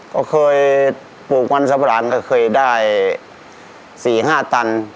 ก็เคยปลูกมันสำราญก็เคยได้๔๕ตัน